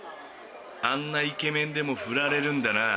あんなイケメンでもフラれるんだな。